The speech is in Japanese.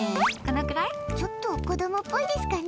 ちょっと子供っぽいですかね。